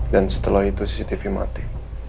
setelah itu cctv mati